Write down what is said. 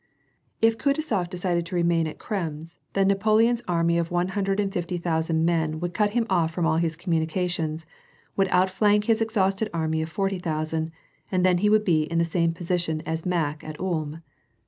If Kutuzof decided to remain at Krems, then Napoleon's army of one hundred and fifty thousand men would cut him off from all his communications, would outflank his exhausted army of forty thousand, and then he would be in the same position as Mack at Ulm.